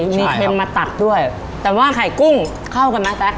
ใช่ครับมีเค็มมาตัดด้วยแต่ว่าไข่กุ้งเข้ากันไหมแซส